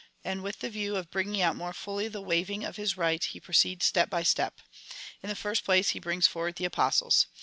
And with the view of bringing out more fully the waiving of his right, he proceeds step by step. In the first place, he brings forward the Apostles.